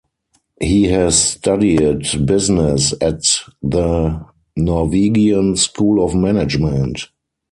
He has studied business at the Norwegian School of Management.